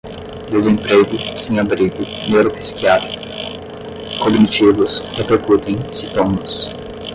desemprego, sem-abrigo, neuropsiquiátrica, cognitivos, repercutem, sintomas